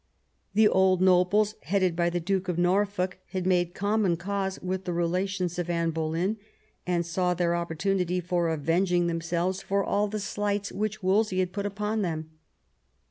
The old nobles, headed by the Duke of Norfolk, had made common cause with the relations of Anne Boleyn, and saw their opportunity of avenging themselves for all the slights which Wolsey had put upon them.